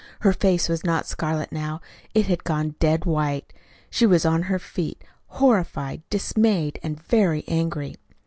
Her face was not scarlet now. It had gone dead white. She was on her feet, horrified, dismayed, and very angry.